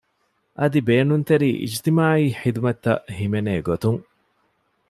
އަދި ބޭނުންތެރި އިޖްތިމާޢީ ޚިދުމަތްތައް ހިމެނޭ ގޮތުން